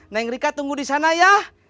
neng rika tunggu di sana ya